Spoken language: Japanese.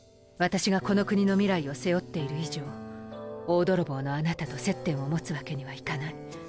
私がこの国の未来を背負っている以上大泥棒のあなたと接点を持つわけにはいかない。